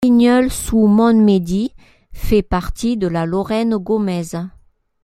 Vigneul-sous-Montmédy fait partie de la Lorraine gaumaise.